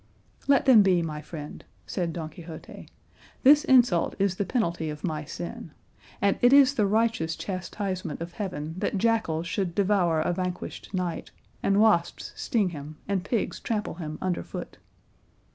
"Let them be, my friend," said Don Quixote; "this insult is the penalty of my sin; and it is the righteous chastisement of heaven that jackals should devour a vanquished knight, and wasps sting him and pigs trample him under foot."